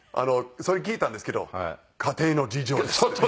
それ聞いたんですけど「家庭の事情です」って。